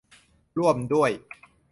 ร่วมด้วย